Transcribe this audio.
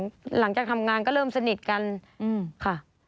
หลังจากทำงานก็เริ่มสนิทกันค่ะ